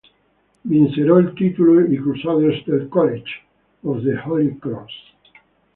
Vinsero il titolo i Crusaders del College of the Holy Cross.